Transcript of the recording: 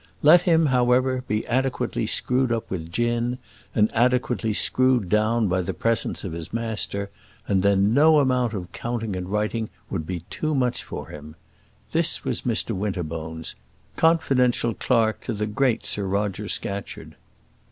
Let him, however, be adequately screwed up with gin, and adequately screwed down by the presence of his master, and then no amount of counting and writing would be too much for him. This was Mr Winterbones, confidential clerk to the great Sir Roger Scatcherd.